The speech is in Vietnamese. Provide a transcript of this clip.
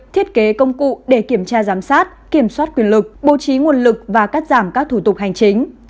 thiết kế công cụ để kiểm tra giám sát kiểm soát quyền lực bố trí nguồn lực và cắt giảm các thủ tục hành chính